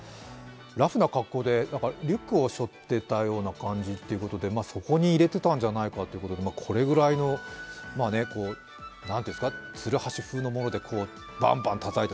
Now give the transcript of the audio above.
ラフな格好でリュックを背負っていた感じということでそこに入れてたんじゃないかということでこれぐらいのつるはし風のものでバンバンたたいて。